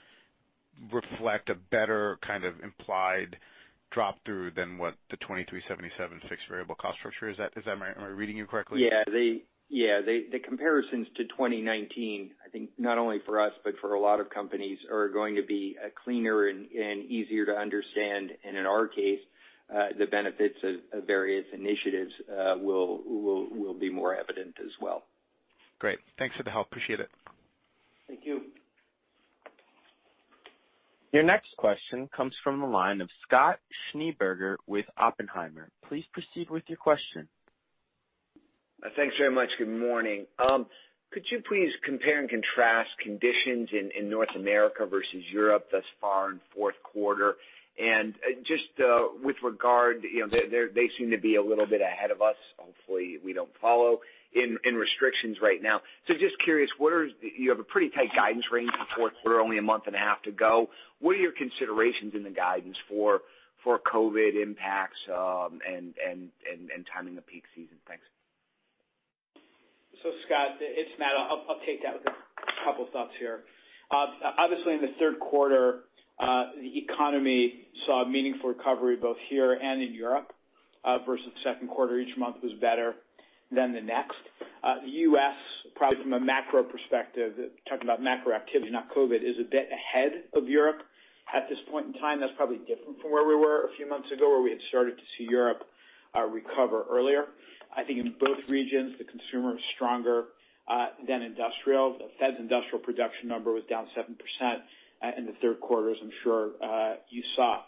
reflect a better kind of implied drop-through than what the 23/77 fixed variable cost structure is. Am I reading you correctly? Yeah. The comparisons to 2019, I think, not only for us, but for a lot of companies, are going to be cleaner and easier to understand. In our case, the benefits of various initiatives will be more evident as well. Great. Thanks for the help. Appreciate it. Thank you. Your next question comes from the line of Scott Schneeberger with Oppenheimer. Please proceed with your question. Thanks very much. Good morning. Could you please compare and contrast conditions in North America versus Europe thus far in fourth quarter? Just with regard, they seem to be a little bit ahead of us, hopefully we don't follow, in restrictions right now. Just curious, you have a pretty tight guidance range for fourth quarter, only a month and a half to go. What are your considerations in the guidance for COVID impacts and timing of peak season? Thanks. Scott, it's Matt. I'll take that with a couple thoughts here. Obviously, in the third quarter, the economy saw a meaningful recovery both here and in Europe versus second quarter. Each month was better than the next. The U.S., probably from a macro perspective, talking about macro activity, not COVID, is a bit ahead of Europe at this point in time. That's probably different from where we were a few months ago, where we had started to see Europe recover earlier. I think in both regions, the consumer is stronger than industrial. The Fed's industrial production number was down 7% in the third quarter, as I'm sure you saw.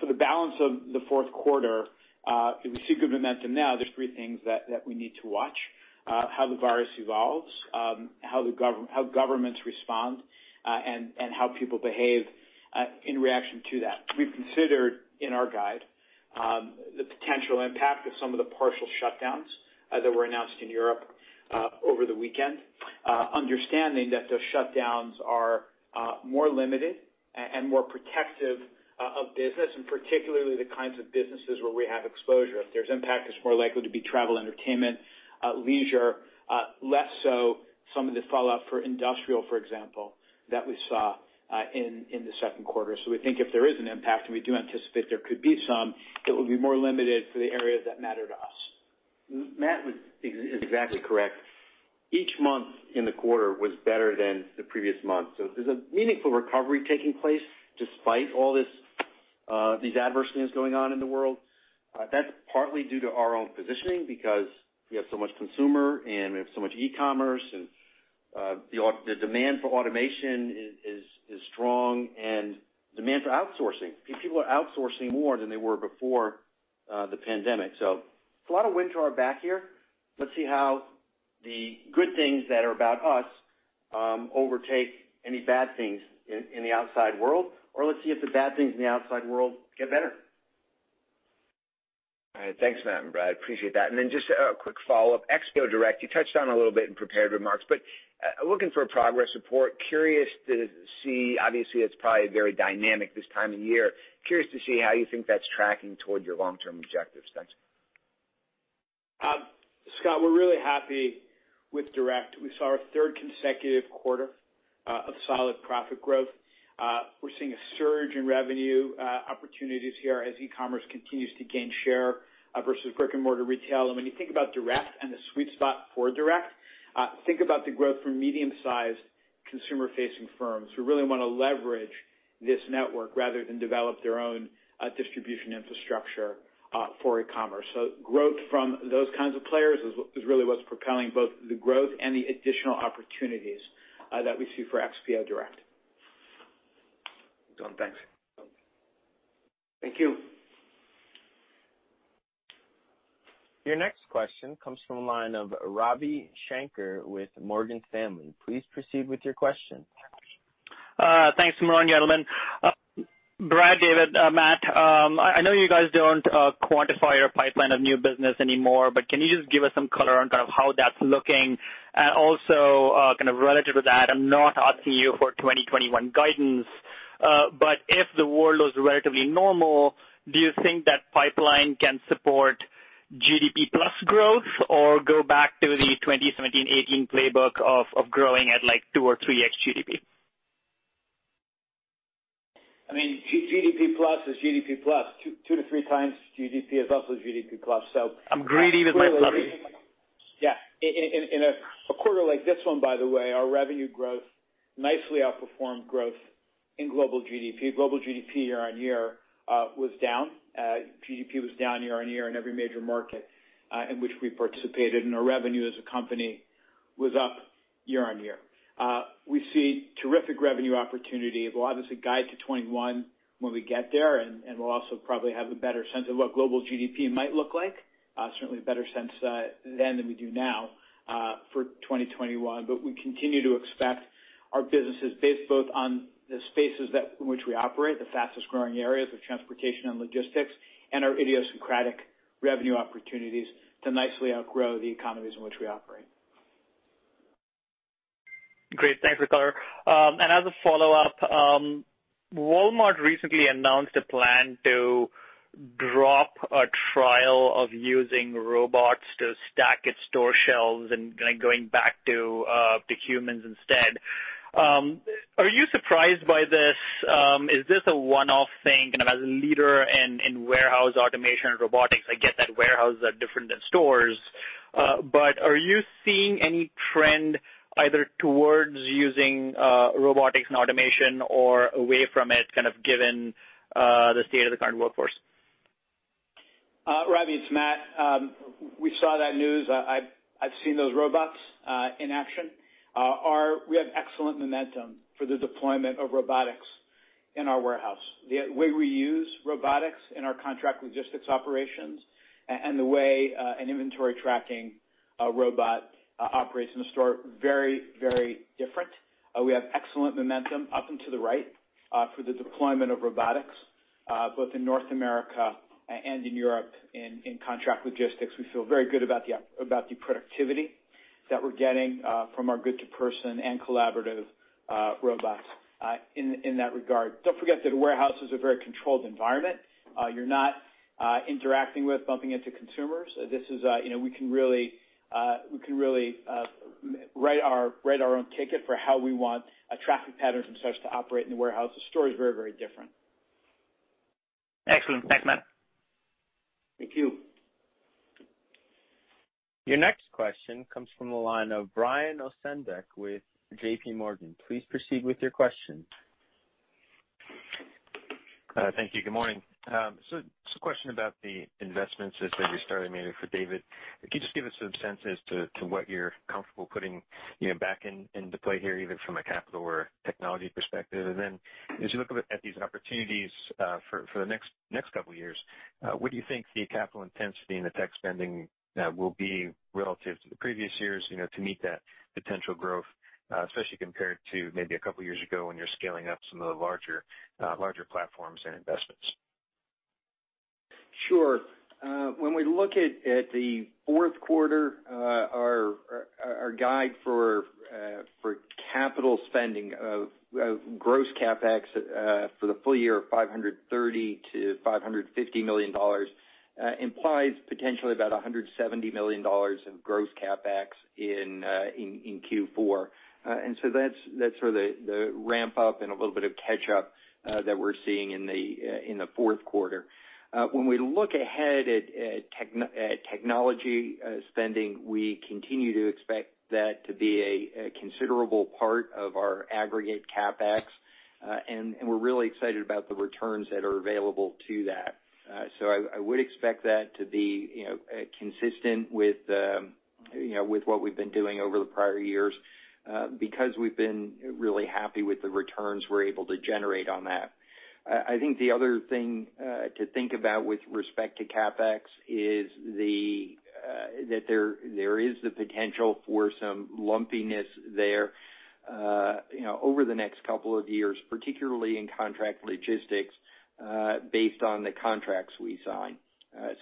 For the balance of the fourth quarter, if we see good momentum now, there's three things that we need to watch: how the virus evolves, how governments respond, and how people behave in reaction to that. We've considered in our guide the potential impact of some of the partial shutdowns that were announced in Europe over the weekend, understanding that those shutdowns are more limited and more protective of business, and particularly the kinds of businesses where we have exposure. If there's impact, it's more likely to be travel, entertainment, leisure, less so some of the fallout for industrial, for example, that we saw in the second quarter. We think if there is an impact, and we do anticipate there could be some, it will be more limited for the areas that matter to us. Matt is exactly correct. Each month in the quarter was better than the previous month. There's a meaningful recovery taking place despite all these adverse things going on in the world. That's partly due to our own positioning because we have so much consumer and we have so much e-commerce, and the demand for automation is strong and demand for outsourcing. People are outsourcing more than they were before the pandemic. There's a lot of wind to our back here. Let's see how the good things that are about us overtake any bad things in the outside world, or let's see if the bad things in the outside world get better. All right. Thanks, Matt and Brad, appreciate that. Just a quick follow-up. XPO Direct, you touched on a little bit in prepared remarks, but looking for a progress report. Curious to see, obviously, that's probably very dynamic this time of year. Curious to see how you think that's tracking toward your long-term objectives. Thanks. Scott, we're really happy with Direct. We saw our third consecutive quarter of solid profit growth. We're seeing a surge in revenue opportunities here as e-commerce continues to gain share versus brick and mortar retail. When you think about Direct and the sweet spot for Direct, think about the growth from medium-sized Consumer-facing firms who really want to leverage this network rather than develop their own distribution infrastructure for e-commerce. Growth from those kinds of players is really what's propelling both the growth and the additional opportunities that we see for XPO Direct. Done, thanks. Thank you. Your next question comes from the line of Ravi Shanker with Morgan Stanley. Please proceed with your question. Thanks. Morning, gentlemen. Brad, David, Matt, I know you guys don't quantify your pipeline of new business anymore. Can you just give us some color on how that's looking? Also, kind of related to that, I'm not asking you for 2021 guidance. If the world was relatively normal, do you think that pipeline can support GDP plus growth or go back to the 2017-2018 playbook of growing at two or 3X GDP? GDP plus is GDP plus. Two to three times GDP is also GDP plus. I'm greedy with my pluses. Yeah. In a quarter like this one, by the way, our revenue growth nicely outperformed growth in global GDP. Global GDP year-on-year was down. GDP was down year-on-year in every major market in which we participated, our revenue as a company was up year-on-year. We see terrific revenue opportunity. We'll obviously guide to 2021 when we get there, we'll also probably have a better sense of what global GDP might look like. Certainly a better sense then than we do now for 2021. We continue to expect our businesses based both on the spaces in which we operate, the fastest-growing areas of transportation and logistics, and our idiosyncratic revenue opportunities to nicely outgrow the economies in which we operate. Great. Thanks for the color. As a follow-up, Walmart recently announced a plan to drop a trial of using robots to stack its store shelves and going back to humans instead. Are you surprised by this? Is this a one-off thing? As a leader in warehouse automation and robotics, I get that warehouses are different than stores. Are you seeing any trend either towards using robotics and automation or away from it, kind of given the state of the current workforce? Ravi, it's Matt. We saw that news. I've seen those robots in action. We have excellent momentum for the deployment of robotics in our warehouse. The way we use robotics in our contract logistics operations and the way an inventory tracking robot operates in a store, very different. We have excellent momentum up and to the right for the deployment of robotics, both in North America and in Europe in contract logistics. We feel very good about the productivity that we're getting from our goods-to-person and collaborative robots in that regard. Don't forget that a warehouse is a very controlled environment. You're not interacting with, bumping into consumers. We can really write our own ticket for how we want traffic patterns and such to operate in the warehouse. The store is very different. Excellent. Thanks, Matt. Thank you. Your next question comes from the line of Brian Ossenbeck with JPMorgan. Please proceed with your question. Thank you. Good morning. Just a question about the investments that you're starting, maybe for David. Could you just give us some sense as to what you're comfortable putting back into play here, even from a capital or technology perspective? As you look at these opportunities for the next couple of years, what do you think the capital intensity and the tech spending will be relative to the previous years to meet that potential growth, especially compared to maybe a couple of years ago when you were scaling up some of the larger platforms and investments? Sure. When we look at the fourth quarter, our guide for capital spending of gross CapEx for the full year of $530 million-$550 million implies potentially about $170 million of gross CapEx in Q4. That's sort of the ramp-up and a little bit of catch-up that we're seeing in the fourth quarter. When we look ahead at technology spending, we continue to expect that to be a considerable part of our aggregate CapEx. We're really excited about the returns that are available to that. I would expect that to be consistent with what we've been doing over the prior years because we've been really happy with the returns we're able to generate on that. I think the other thing to think about with respect to CapEx is that there is the potential for some lumpiness there over the next couple of years, particularly in contract logistics, based on the contracts we sign.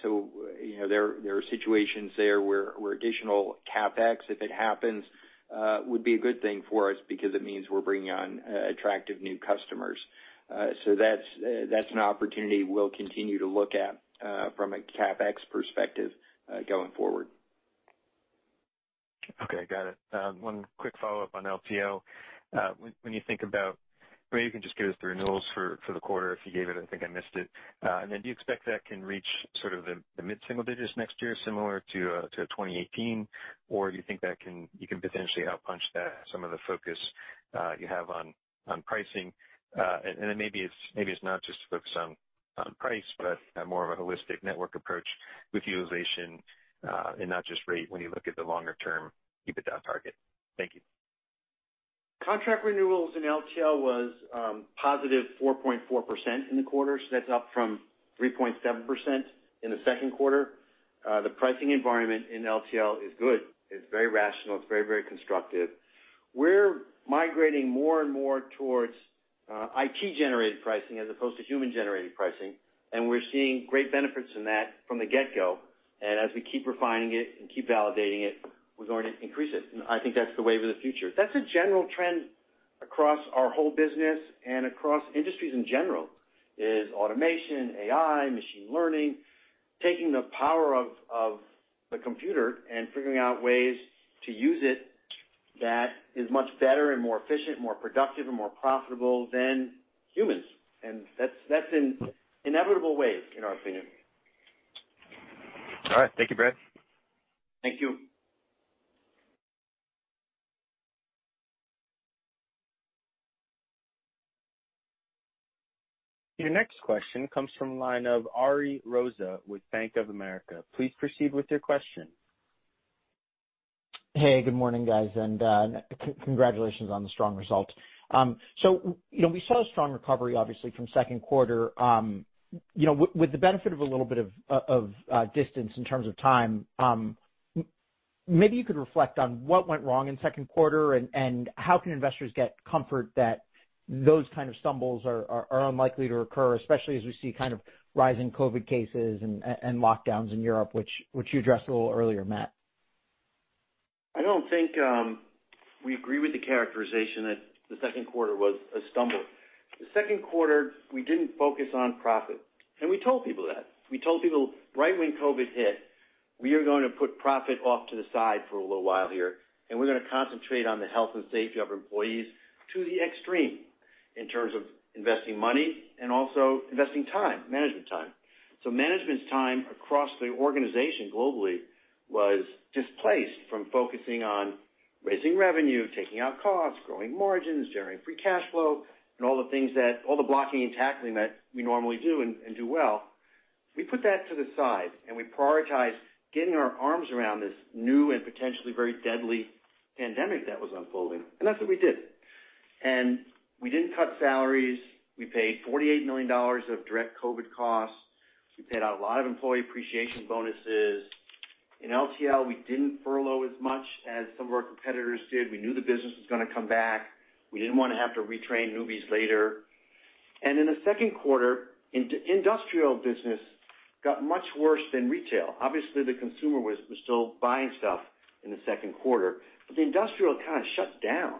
There are situations there where additional CapEx, if it happens, would be a good thing for us because it means we're bringing on attractive new customers. That's an opportunity we'll continue to look at from a CapEx perspective going forward. Okay, got it. One quick follow-up on LTL. Maybe you can just give us the renewals for the quarter, if you gave it, I think I missed it. Do you expect that can reach sort of the mid-single digits next year, similar to 2018? Do you think that you can potentially out-punch that, some of the focus you have on pricing? Maybe it's not just the focus on price, but more of a holistic network approach with utilization, and not just rate when you look at the longer term, keep it down target. Thank you. Contract renewals in LTL was positive 4.4% in the quarter. That's up from 3.7% in the second quarter. The pricing environment in LTL is good. It's very rational. It's very, very constructive. We're migrating more and more towards IT-generated pricing as opposed to human-generated pricing, and we're seeing great benefits in that from the get-go. As we keep refining it and keep validating it, we're going to increase it. I think that's the wave of the future. That's a general trend across our whole business and across industries in general, is automation, AI, machine learning, taking the power of the computer and figuring out ways to use it that is much better and more efficient, more productive, and more profitable than humans. That's in inevitable ways, in our opinion. All right. Thank you, Brad. Thank you. Your next question comes from the line of Ariel Rosa with Bank of America. Please proceed with your question. Hey, good morning, guys, and congratulations on the strong result. We saw a strong recovery, obviously, from second quarter. With the benefit of a little bit of distance in terms of time, maybe you could reflect on what went wrong in second quarter and how can investors get comfort that those kind of stumbles are unlikely to occur, especially as we see kind of rising COVID cases and lockdowns in Europe, which you addressed a little earlier, Matt. I don't think we agree with the characterization that the second quarter was a stumble. The second quarter, we didn't focus on profit, and we told people that. We told people right when COVID hit, we are going to put profit off to the side for a little while here, and we're going to concentrate on the health and safety of our employees to the extreme in terms of investing money and also investing time, management time. Management's time across the organization globally was displaced from focusing on raising revenue, taking out costs, growing margins, generating free cash flow, and all the things that, all the blocking and tackling that we normally do and do well. We put that to the side, and we prioritized getting our arms around this new and potentially very deadly pandemic that was unfolding, and that's what we did. We didn't cut salaries. We paid $48 million of direct COVID costs. We paid out a lot of employee appreciation bonuses. In LTL, we didn't furlough as much as some of our competitors did. We knew the business was going to come back. We didn't want to have to retrain newbies later. In the second quarter, industrial business got much worse than retail. Obviously, the consumer was still buying stuff in the second quarter. The industrial kind of shut down,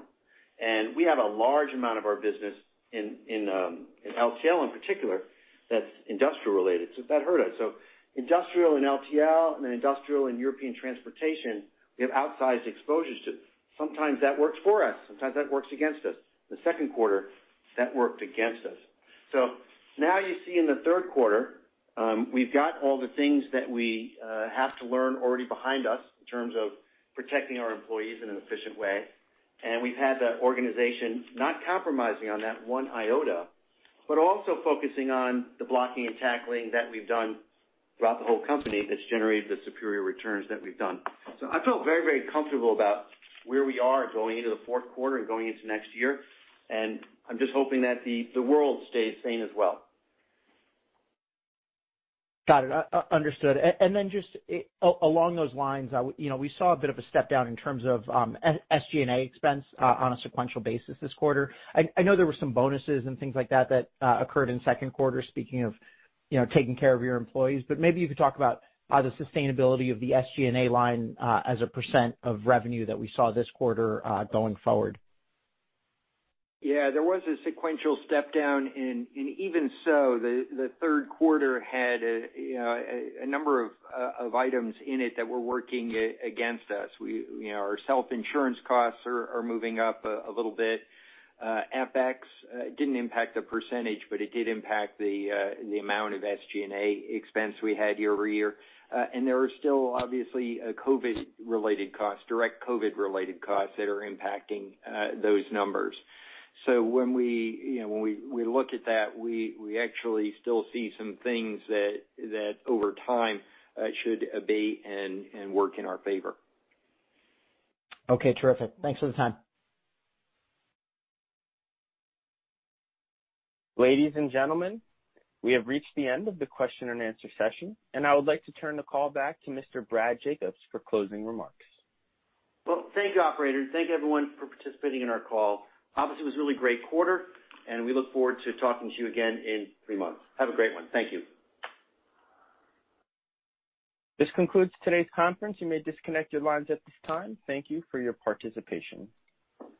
and we have a large amount of our business in LTL in particular that's industrial related. That hurt us. Industrial and LTL and then industrial and European transportation, we have outsized exposures to. Sometimes that works for us, sometimes that works against us. The second quarter, that worked against us. Now you see in the third quarter, we've got all the things that we have to learn already behind us in terms of protecting our employees in an efficient way. And we've had the organization not compromising on that one iota, but also focusing on the blocking and tackling that we've done throughout the whole company that's generated the superior returns that we've done. I feel very, very comfortable about where we are going into the fourth quarter and going into next year. And I'm just hoping that the world stays sane as well. Got it. Understood. Just along those lines, we saw a bit of a step down in terms of SG&A expense on a sequential basis this quarter. I know there were some bonuses and things like that that occurred in the second quarter, speaking of taking care of your employees, but maybe you could talk about the sustainability of the SG&A line as a % of revenue that we saw this quarter going forward. Yeah, there was a sequential step down, and even so, the third quarter had a number of items in it that were working against us. Our self-insurance costs are moving up a little bit. FX didn't impact the percentage, but it did impact the amount of SG&A expense we had year-over-year. There are still obviously COVID-related costs, direct COVID-related costs that are impacting those numbers. When we look at that, we actually still see some things that over time should abate and work in our favor. Okay, terrific. Thanks for the time. Ladies and gentlemen, we have reached the end of the question and answer session, and I would like to turn the call back to Mr. Brad Jacobs for closing remarks. Well, thank you, operator, and thank you, everyone, for participating in our call. Obviously, it was a really great quarter, and we look forward to talking to you again in three months. Have a great one. Thank you. This concludes today's conference. You may disconnect your lines at this time. Thank you for your participation.